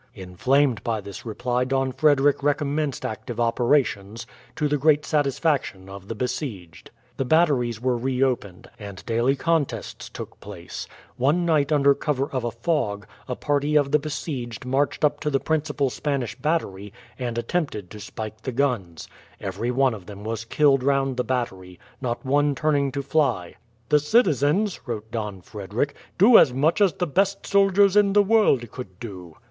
Inflamed by this reply Don Frederick recommenced active operations, to the great satisfaction of the besieged. The batteries were reopened, and daily contests took place. One night under cover of a fog, a party of the besieged marched up to the principal Spanish battery, and attempted to spike the guns. Every one of them was killed round the battery, not one turning to fly. "The citizens," wrote Don Frederick, "do as much as the best soldiers in the world could do."